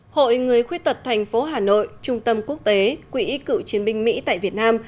hội người khuyết tật thành phố hà nội trung tâm quốc tế quỹ cựu chiến binh mỹ tại việt nam